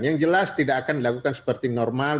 yang jelas tidak akan dilakukan seperti normal